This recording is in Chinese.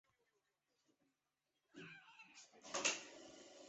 拉布尼茨河畔曼内尔斯多夫是奥地利布尔根兰州上普伦多夫县的一个市镇。